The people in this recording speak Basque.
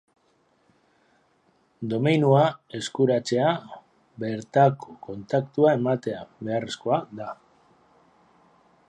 Domeinua eskuratzea bertako kontaktua ematea beharrezkoa da.